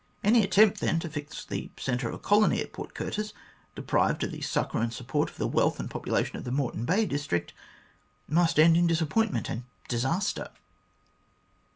Any attempt, then, to fix the centre of a colony at Port Curtis, deprived of the succour and support of the wealth and population of the Moreton Bay District, must end in disappointment and disaster."